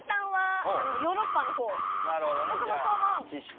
ぼくもそう思う。